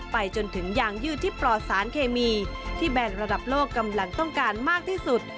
ไปจนถึงยางยืดที่ปลอดสารเคมีที่แบรนด์ระดับโลกกำลังต้องการมากที่สุด